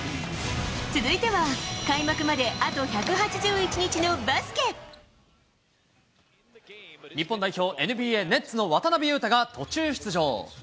続いては、開幕まであと１８１日日本代表、ＮＢＡ・ネッツの渡邊雄太が途中出場。